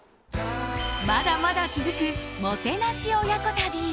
まだまだ続く、もてなし親子旅。